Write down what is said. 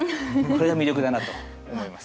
これが魅力だなと思います。